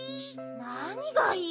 なにがいいかな？